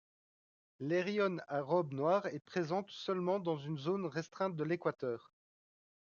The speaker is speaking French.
L'Érione à robe noire est présente seulement dans une zone restreinte de l'Équateur.